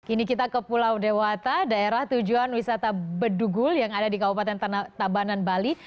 kini kita ke pulau dewata daerah tujuan wisata bedugul yang ada di kabupaten tabanan bali